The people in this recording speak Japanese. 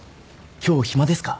今日暇ですか？